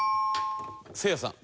せいやさん。